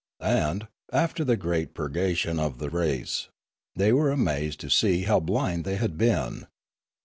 And, after the great purgation of the race, they were amazed to see how blind they had been.